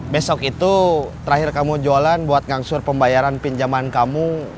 besok itu terakhir kamu jualan buat ngangsur pembayaran pinjaman kamu